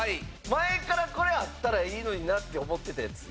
前からこれあったらいいのになって思ってたやつ。